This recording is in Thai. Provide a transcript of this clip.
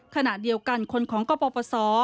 ขณะเดียวกันคนของกปศ